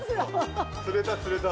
釣れた釣れた。